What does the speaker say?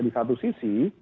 di satu sisi